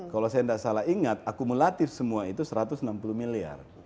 kalau saya tidak salah ingat akumulatif semua itu satu ratus enam puluh miliar